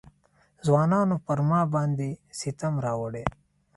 ځوانانو پر ما باندې ستم راوړی.